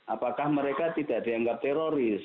apakah mereka tidak dianggap teroris